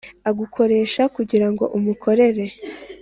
agukoresha kugira ngo umukorere,